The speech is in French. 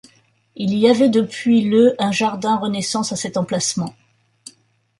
Il y avait depuis le un jardin Renaissance à cet emplacement.